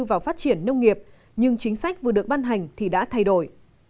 vào phát triển nông nghiệp nhưng chính sách vừa được ban hành thì đã thay đổi